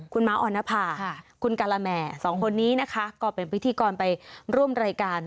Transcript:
คุณม้าออนภาคุณการาแหม่สองคนนี้นะคะก็เป็นพิธีกรไปร่วมรายการ